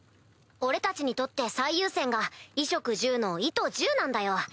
俺たちにとって最優先が衣食住の「衣」と「住」なんだよ！